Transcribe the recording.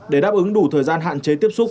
để đáp ứng đủ thời gian hạn chế tiếp xúc